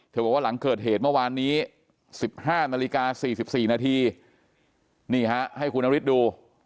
บอกว่าหลังเกิดเหตุเมื่อวานนี้๑๕นาฬิกา๔๔นาทีนี่ฮะให้คุณนฤทธิ์ดู